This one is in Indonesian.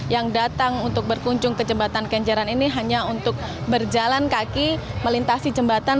yang datang untuk berkunjung ke jembatan kenjeran ini hanya untuk berjalan kaki melintasi jembatan